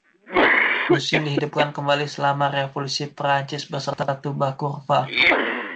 Buccin dihidupkan kembali selama Revolusi Prancis, beserta "tuba curva".